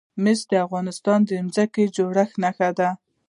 مس د افغانستان د ځمکې د جوړښت نښه ده.